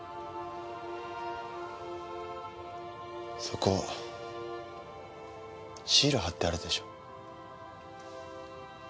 そこシール張ってあるでしょ。